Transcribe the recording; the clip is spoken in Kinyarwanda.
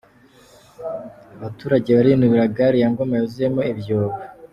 Abaturage barinubira gare ya Ngoma yuzuyemo ibyobo